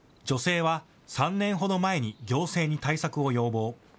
女性は３年ほど前に行政に対策を要望。